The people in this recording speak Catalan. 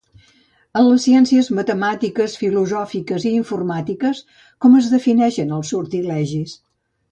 En les ciències matemàtiques, filosòfiques i informàtiques, com es defineixen els sortilegis?